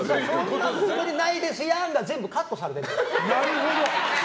そんなつもりないですやん！が全部カットされてるの。